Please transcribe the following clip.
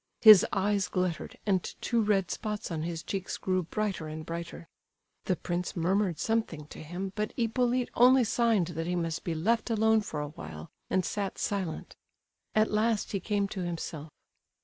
His eyes glittered, and two red spots on his cheeks grew brighter and brighter. The prince murmured something to him, but Hippolyte only signed that he must be left alone for a while, and sat silent. At last he came to himself.